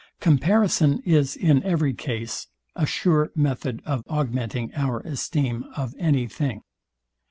Comparison is in every case a sure method of augmenting our esteem of any thing.